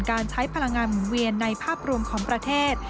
การใช้พลังงานหมุนเวียนในภาพรวมของประเทศ